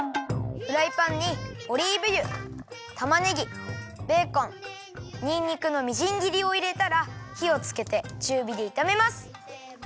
フライパンにオリーブ油たまねぎベーコンにんにくのみじんぎりをいれたらひをつけてちゅうびでいためます。